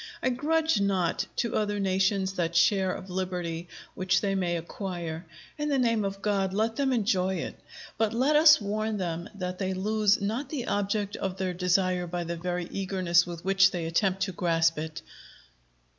I grudge not to other nations that share of liberty which they may acquire: in the name of God, let them enjoy it! But let us warn them that they lose not the object of their desire by the very eagerness with which they attempt to grasp it.